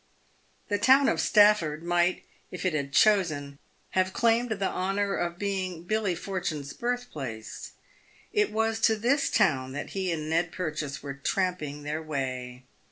The town of Stafford might, if it had chosen, have claimed the honour of being Billy Fortune's birthplace. It was to this town that he and Ned Purchase were tramping their way.